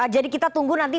jadi kita tunggu nanti